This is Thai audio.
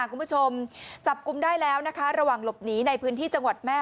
คุณผู้ชมจับกลุ่มได้แล้วนะคะระหว่างหลบหนีในพื้นที่จังหวัดแม่